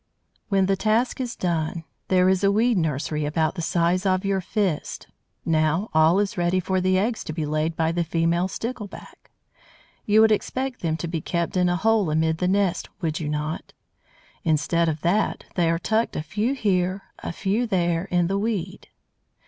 When the task is done there is a weed nursery about the size of your fist. Now all is ready for the eggs to be laid by the female Stickleback. You would expect them to be kept in a hole amid the nest, would you not? Instead of that, they are tucked a few here, a few there, in the weed.